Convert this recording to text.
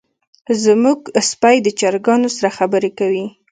زمونږ سپی د چرګانو سره خبرې کوي.